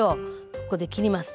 ここで切ります。